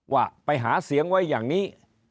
ว่าไปหาเสียงไว้อย่างนี้